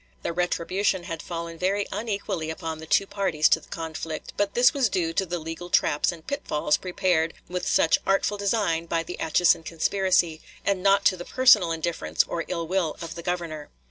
The retribution had fallen very unequally upon the two parties to the conflict, but this was due to the legal traps and pitfalls prepared with such artful design by the Atchison conspiracy, and not to the personal indifference or ill will of the Governor.